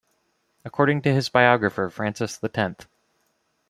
According to his biographer Francis the Tenth.